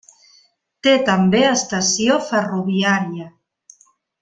Té també estació ferroviària.